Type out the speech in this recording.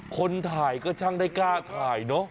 คนถ่ายก็ช่างได้กล้าถ่ายเนอะ